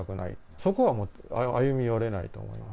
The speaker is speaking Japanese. そこは歩み寄れないと思います。